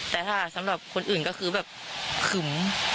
แต่ถ้าสำหรับคนอื่นก็คือแบบขึม